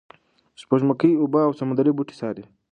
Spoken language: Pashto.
سپوږمکۍ اوبه او سمندري بوټي څاري.